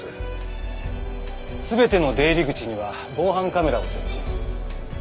全ての出入り口には防犯カメラを設置。